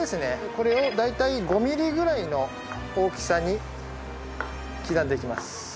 これを大体５ミリぐらいの大きさに刻んでいきます。